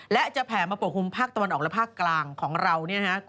และจะแผ่มาปกคลุมภาคตะวันออกและภาคกลางของเรา